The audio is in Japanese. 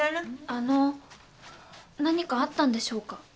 あの何かあったんでしょうか？